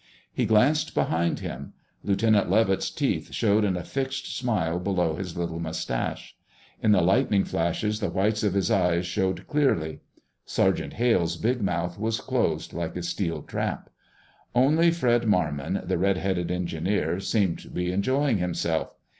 He glanced behind him. Lieutenant Levitt's teeth showed in a fixed smile below his little moustache. In the lightning flashes the whites of his eyes showed clearly. Sergeant Hale's big mouth was closed like a steel trap. Only Fred Marmon, the red headed engineer, seemed to be enjoying himself.